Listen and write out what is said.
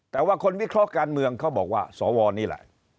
แต่ว่าคนวิเคราะห์การเมืองเขาบอกว่าสวนี่แหละ